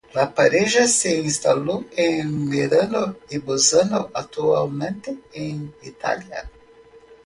La pareja se instaló en Merano y Bolzano, actualmente en Italia.